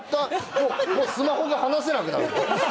スマホが離せなくなる。